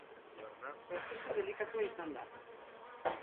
Prozesu delikatua izan da.